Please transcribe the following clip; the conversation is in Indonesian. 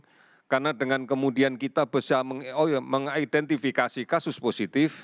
jadi penting karena dengan kemudian kita bisa mengidentifikasi kasus positif